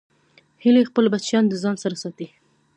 هیلۍ خپل بچیان د ځان سره ساتي